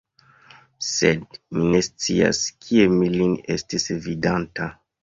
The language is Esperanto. Sed mi ne scias, kie mi lin estis vidanta.